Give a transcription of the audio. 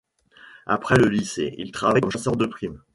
Après le lycée, il travaille comme chasseur de primes.